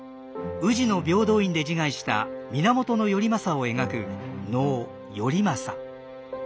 宇治の平等院で自害した源頼政を描く能「頼政」。